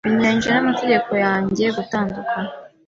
Binyuranyije n'amategeko yanjye gutandukana.